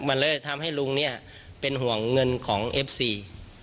มันเลยทำให้ลุงเนี่ยเป็นห่วงเงินของเอฟซี